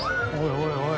おいおい。